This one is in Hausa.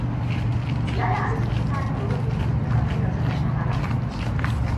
Ya yi arziƙi ta hanyar rubuta littattafan da suka shahara.